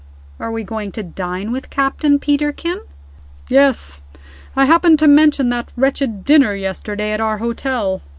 "Are we going to dine with Captain Peterkin?" "Yes. I happened to mention that wretched dinner yesterday at our hotel.